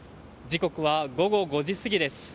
時刻は午後５時過ぎです。